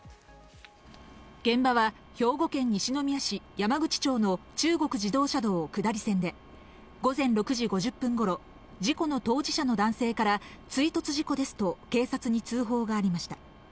現場は兵庫県西宮市山口町の中国自動車道下り線で、午前６時５０分ごろ、事故の当事者の男性から追突事故ですと警察に通報がありました。